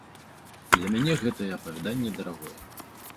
Для мяне гэтае апавяданне дарагое.